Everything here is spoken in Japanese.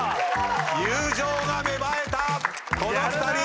友情が芽生えたこの２人！